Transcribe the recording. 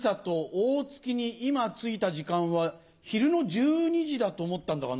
大月に今着いた時間は昼の１２時だと思ったんだがな。